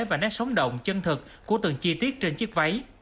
và nét sóng động chân thực của từng chi tiết trên chiếc váy